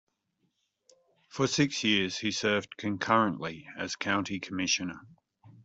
For six years, he served concurrently as a county commissioner.